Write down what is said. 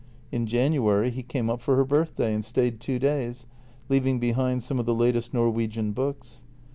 In January he came up for her birthday and stayed two days, leaving behind some of the latest Norwegian books.